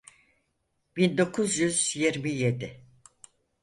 bin dokuz yüz yirmi yedi.